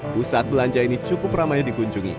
pusat belanja ini cukup ramai dikunjungi